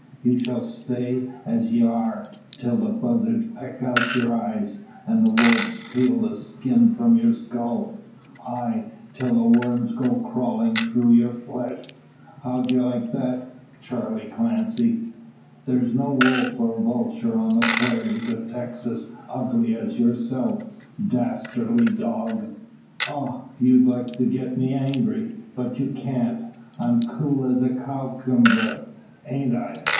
You shall stay as ye are, till the buzzarts peck out your eyes, an' the wolves peel the skin from your skull ay, till the worms go crawlin' through your flesh. How'll ye like that, Charley Clancy?" "There's no wolf or vulture on the prairies of Texas ugly as yourself. Dastardly dog!" "Ah! you'd like to get me angry? But you can't. I'm cool as a cowkumber aint I?